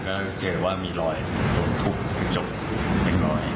ก็เจอว่ามีรอยตรงทุกกระจกเป็นรอย